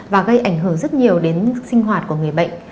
và gây ảnh hưởng rất nhiều đến sinh hoạt của người bệnh